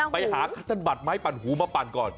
ไปหาท่านบัตรไม้ปั่นหูมาปั่นก่อน